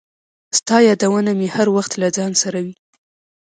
• ستا یادونه مې هر وخت له ځان سره وي.